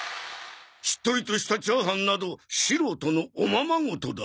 しっとりとしたチャーハンなど素人のおままごとだ！